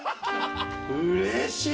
うれしい。